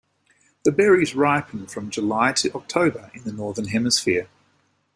The berries ripen from July to October in the Northern Hemisphere.